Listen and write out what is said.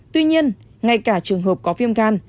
tuy nhiên ngay cả trường hợp có viêm gan